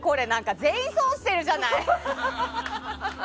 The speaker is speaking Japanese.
全員損してるじゃない。